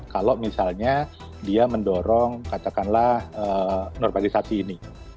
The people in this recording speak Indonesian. kalau misalnya dia mendorong katakanlah normalisasi ini